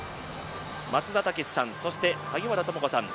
松田丈志さん、萩原智子さん